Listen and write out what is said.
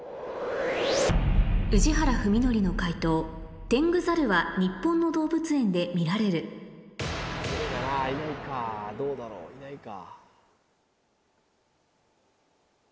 宇治原史規の解答「テングザル」は日本の動物園で見られるいるかないないかどうだろういないか。